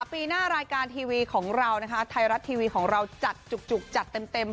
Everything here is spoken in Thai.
ปีหน้ารายการทีวีของเรานะคะไทยรัฐทีวีของเราจัดจุกจัดเต็ม